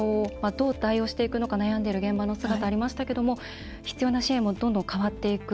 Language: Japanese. どう対応していくのか悩んでいる現場の姿ありましたけども必要な支援もどんどん変わっていく。